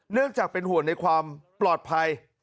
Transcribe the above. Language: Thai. เนื่องจากเป็นห่วงในความปลอดภัย